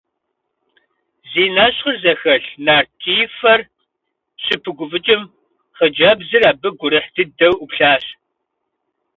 Зи нэщхъыр зэхэлъ, нарт ткӀиифэр щыпыгуфӀыкӀым, хъыджэбзыр абы гурыхь дыдэу Ӏуплъащ.